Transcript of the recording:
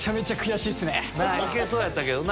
いけそうやったけどな。